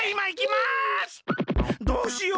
どうしよう？